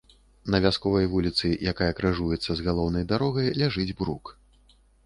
На вясковай вуліцы, якая крыжуецца з галоўнай дарогай, ляжыць брук.